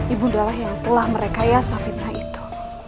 ibu ndalah yang telah merekayasa fitnah itu